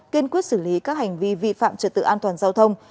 kiên quyết xử lý các hành vi vi phạm trật tự an toàn giao thông